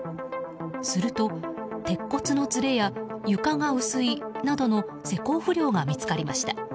すると鉄骨のずれや床が薄いなどの施工不良が見つかりました。